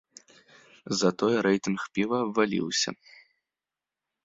Затое рэйтынг піва абваліўся.